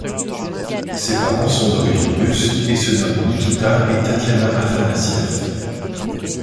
Ses parents sont d'origine russe et se nomment Nikita et Tatiana Afanasieff.